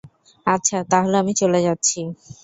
আচ্ছা, তাহলে আমি চলে যাচ্ছি।